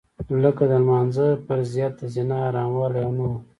لکه د لمانځه فرضيت د زنا حراموالی او نور.